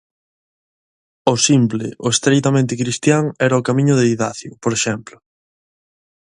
O simple, o estritamente cristián, era o camiño de Idacio, por exemplo.